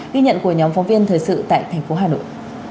ghi nhận của nhóm phóng viên thời sự tại thành phố hà nội